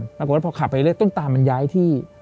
ปรากฏว่าพอขับไปเรื่อยต้นตามันย้ายที่